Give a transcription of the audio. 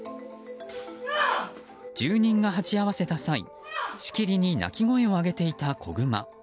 住人が鉢合わせた際、しきりに鳴き声を上げていた子グマ。